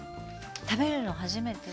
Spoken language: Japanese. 食べるの初めて？